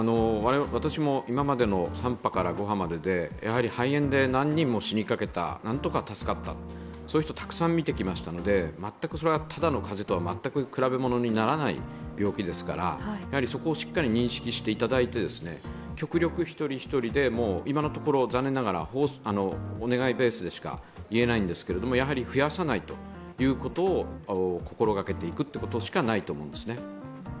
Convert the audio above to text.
私も今までの３波から５波までで、肺炎で何人も死にかけたなんとか助かったという人をたくさん見てきましたのでただの風邪とは全く比べ物にならない病気ですから、そこを強く認識していただいて、極力一人一人で、今のところ、残念ながらお願いベースでしか言えないんですが増やさないということを心がけていくということしかないと思うんですね。